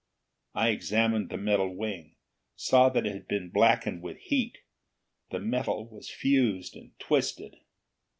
I examined the metal wing; saw that it had been blackened with heat. The metal was fused and twisted.